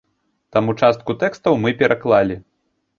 Таму частку тэкстаў мы пераклалі.